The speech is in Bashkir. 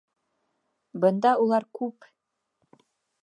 — Бында улар күп!